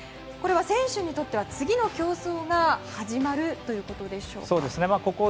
これは選手にとっては次の競争が始まるということでしょうか。